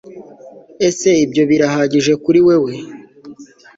Ese ibyo birahagije kuri wewe